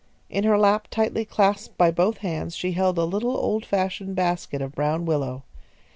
In her lap, tightly clasped by both hands, she held a little old fashioned basket of brown willow.